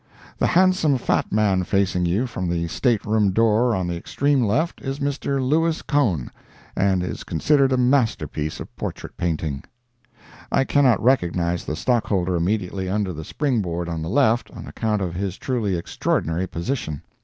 The handsome fat man facing you from the stateroom door on the extreme left, is Mr. Louis Cohn, and is considered a masterpiece of portrait painting. I cannot recognize the stockholder immediately under the spring board on the left, on account of his truly extraordinary position.